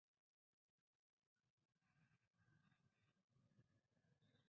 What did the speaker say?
Un nuevo Mind-Wave apareció como un infractor de la Ley de registro sobrehumano.